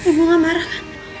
ibu gak marah kan